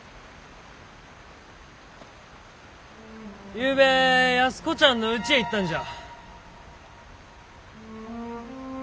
ゆうべ安子ちゃんのうちへ行ったんじゃ。